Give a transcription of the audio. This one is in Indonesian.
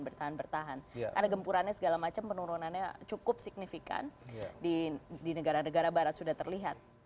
bertahan bertahan karena gempurannya segala macam penurunannya cukup signifikan di negara negara barat sudah terlihat